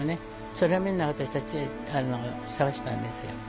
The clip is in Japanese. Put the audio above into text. それをみんな私たち世話したんですよ。